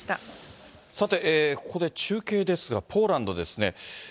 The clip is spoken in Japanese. さて、ここで中継ですが、ポーランドですね。